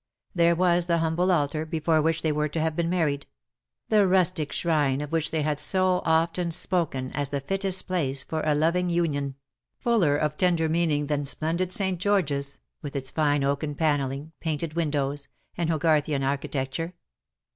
There was the humble altar before which they were to have been married; the rustic shrine of which they had so often spoken as the fittest place for a losing union — fuller of tender meaning than splendid St. George's, with its fine oaken AND JOY A VANE THAT VEERS." 41 panelliDg^ painted windows^ and Hogarthian archi tecture.